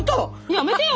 やめてよ！